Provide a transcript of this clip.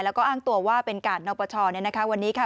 แล้วก็อ้างตัวว่าเป็นกาดนปชวันนี้ค่ะ